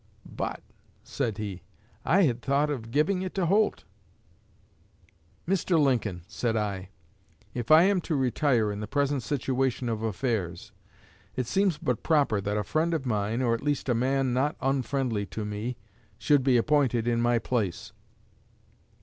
'But,' said he, 'I had thought of giving it to Holt.' 'Mr. Lincoln,' said I, 'if I am to retire in the present situation of affairs, it seems but proper that a friend of mine, or at least a man not unfriendly to me, should be appointed in my place.